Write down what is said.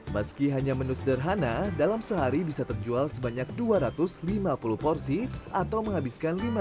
meski hanya menu sederhana dalam sehari bisa terjual sebanyak dua ratus lima puluh porsi atau menghabiskan